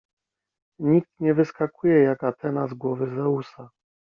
Nikt nie wyskakuje jak Atena z głowy Zeusa.